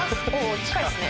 近いっすね。